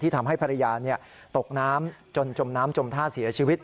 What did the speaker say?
ทำให้ภรรยาตกน้ำจนจมน้ำจมท่าเสียชีวิต